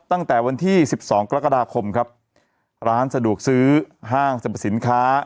ตั้งแต่วันที่สิบสองกรกฎาคมครับร้านสะดวกซื้อห้างสรรพสินค้า